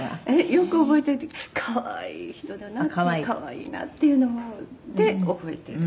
「よく覚えていて可愛い人だなと可愛いなっていうのを覚えてる」